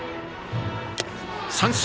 三振。